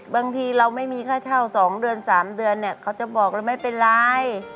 บางทีเราไม่มีค่าเช่า๒เดือน๓เดือนเนี่ยเขาจะบอกแล้วไม่เป็นไร